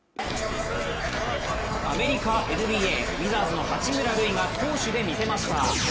アメリカＮＢＡ、ウィザーズの八村塁が攻守で見せました。